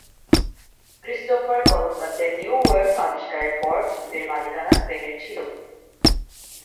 Christopher কলম্বাসের new world আবিস্কারের পর দ্বীপের মালিকানা স্পেনের ছিলো।